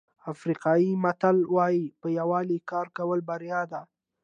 افریقایي متل وایي په یووالي کار کول بریا ده.